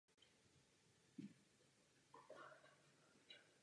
U kaple se nachází kamenný kříž.